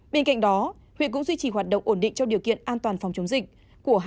bên cạnh đó huyện cũng duy trì hoạt động ổn định trong điều kiện an toàn phòng chống dịch